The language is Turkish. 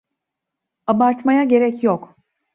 Abartmaya gerek yok.